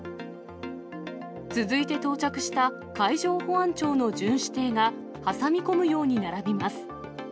続いて到着した海上保安庁の巡視艇が挟み込むように並びます。